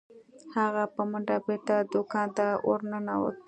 هغه په منډه بیرته دکان ته ورنوت.